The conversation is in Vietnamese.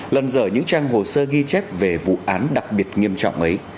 lần giờ những trang hồ sơ ghi chép về vụ án đặc biệt nghiêm trọng ấy